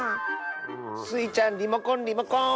スイちゃんリモコンリモコン！